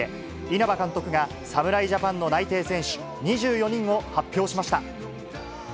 稲葉監督が侍ジャパンの内定選手２４人を発表しました。